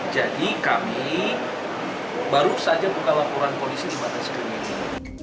jadi kami baru saja buka laporan polisi di batas krim ini